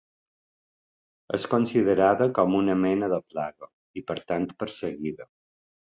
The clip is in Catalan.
És considerada com una mena de plaga i, per tant, perseguida.